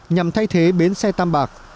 nhằm thay thế bến xe tam bạc